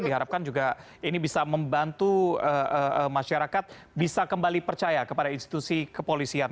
diharapkan juga ini bisa membantu masyarakat bisa kembali percaya kepada institusi kepolisian